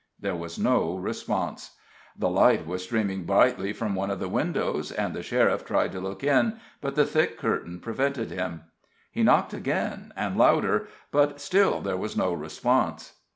There was no response. The light was streaming brightly from one of the windows, and the sheriff tried to look in, but the thick curtain prevented him. He knocked again, and louder, but still there was no response.